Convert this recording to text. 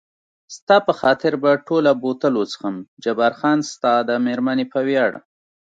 ستا په خاطر به ټوله بوتل وڅښم، جبار خان ستا د مېرمنې په ویاړ.